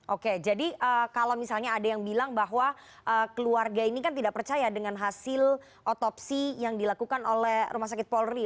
oke jadi kalau misalnya ada yang bilang bahwa keluarga ini kan tidak percaya dengan hasil otopsi yang dilakukan oleh rumah sakit polri